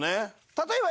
例えば。